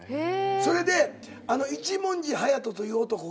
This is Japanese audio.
それで一文字隼人という男が。